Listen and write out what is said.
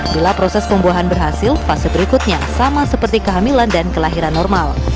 bila proses pembuahan berhasil fase berikutnya sama seperti kehamilan dan kelahiran normal